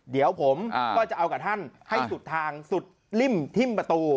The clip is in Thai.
เดี๋ยวผมก็จะเอากับท่านให้สุดทางสุดริ่มทิ้มประตู